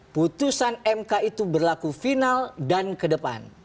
putusan mk itu berlaku final dan kedepan